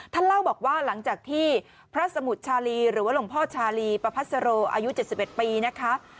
เล่าบอกว่าหลังจากที่พระสมุทรชาลีหรือว่าหลวงพ่อชาลีประพัสโรอายุ๗๑ปีนะคะ